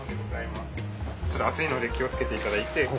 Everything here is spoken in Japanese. こちら熱いので気を付けていただいて。